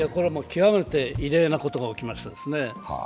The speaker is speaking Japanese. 極めて異例なことが起きましたですね。